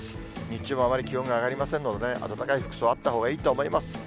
日中もあまり気温が上がりませんのでね、暖かい服装、あったほうがいいと思います。